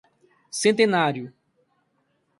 Centenário